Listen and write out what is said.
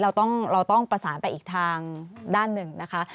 เราต้องประสานไปอีกทางด้านหนึ่งนะคะ